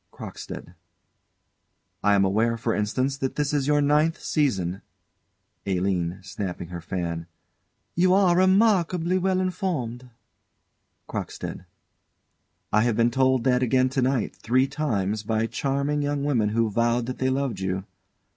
CROCKSTEAD. I am aware, for instance, that this is your ninth season ALINE. [Snapping her fan.] You are remarkably well informed. CROCKSTEAD. I have been told that again to night, three times, by charming young women who vowed that they loved you.